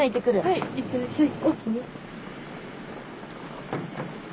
はいいってらっしゃい。